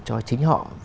cho chính họ